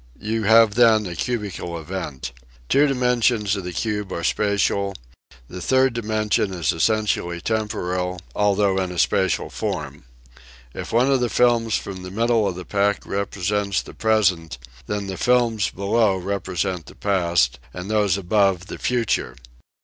You have then a cubical event. Two dimensions of the cube are spatial ; the third dimension is essentially temporal, although in a spatial form. If one of the films from the middle of the pack represents the present then the films below represent the past and those above the future.